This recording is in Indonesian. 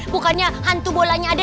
bukannya hantu bolanya ada